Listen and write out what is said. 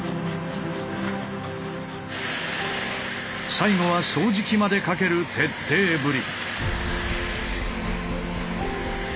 最後は掃除機までかける徹底ぶり。